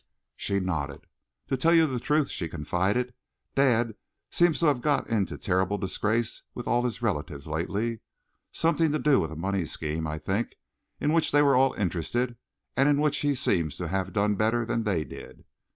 She nodded. "To tell you the truth," she confided, "dad seems to have got into terrible disgrace with all his relatives lately. Something to do with a money scheme, I think, in which they were all interested, and in which he seems to have done better than they did."